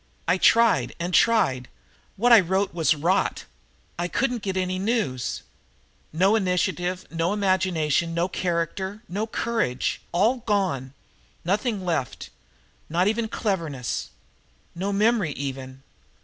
I tried and tried. What I wrote was rot. I couldn't get any news. No initiative no imagination no character no courage! All gone. Nothing left not even cleverness. No memory even!"